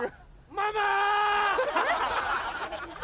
ママ！